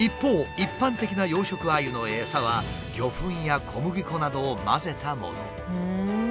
一般的な養殖アユのエサは魚粉や小麦粉などを混ぜたもの。